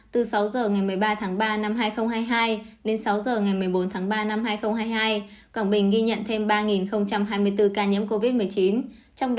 từ sáu h ngày một mươi ba tháng ba năm hai nghìn hai mươi hai đến sáu giờ ngày một mươi bốn tháng ba năm hai nghìn hai mươi hai quảng bình ghi nhận thêm ba hai mươi bốn ca nhiễm covid một mươi chín